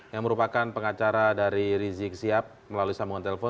yang merupakan pengacara dari rizik sihab melalui sambungan telepon